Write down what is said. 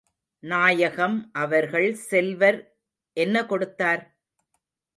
நாயகம் அவர்கள் செல்வர் என்ன கொடுத்தார்?